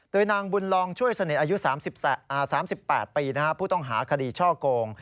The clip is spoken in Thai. โดยนางบุญลองช่วยสนิทอายุ๓๘ปีผู้ต้องหาคดีช่อโกง